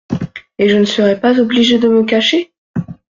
Et je ne serai pas obligé de me cacher ?…